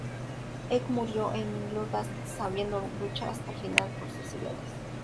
Eck murió en Ingolstadt, habiendo luchado hasta el final por sus ideales.